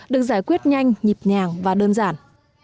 được giải quyết nhanh nhịp nhàng và đơn giản